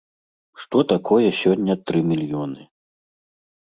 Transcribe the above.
Што такое сёння тры мільёны?